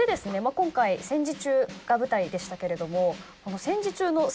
今回戦時中が舞台でしたけれども。